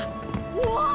うわ！